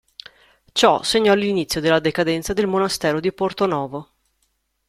Ciò segnò l’inizio della decadenza del monastero di Portonovo.